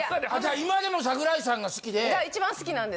今でも桜井さんが好きで。